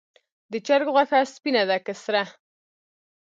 د چرګ غوښه سپینه ده که سره؟